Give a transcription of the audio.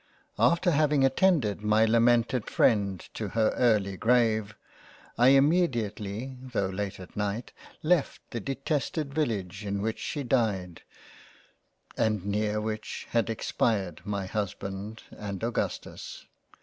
After having attended my lamented freind to her Early 34 £ LOVE AND FREINDSHIP { Grave, I immediately (tho* late at night) left the detested Village in which she died, and near which had expired my Husband and Augustus.